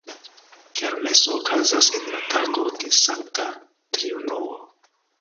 Kermeso okazas en la tago de Sankta Triunuo.